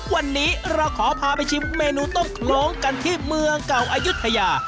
วันนี้เราขอพาไปชิมเมนูต้มโครงกันที่เมืองเก่าอายุทยา